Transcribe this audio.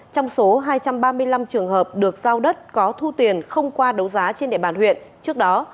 trong số hai trăm ba mươi năm trường hợp được giao đất có thu tiền không qua đấu giá trên địa bàn huyện trước đó